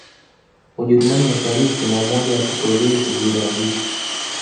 Ujerumani Mashariki na Umoja wa Kisovyeti zilianzisha